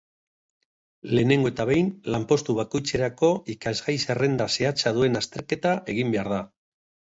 Lehenengo eta behin, lanpostu bakoitzerako ikasgai-zerrenda zehatza duen azterketa egin behar da.